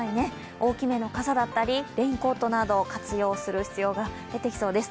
大きめの傘だったりレインコートなどを活用する必要が出てきそうです。